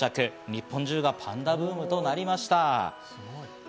日本中がパンダブームとなりました。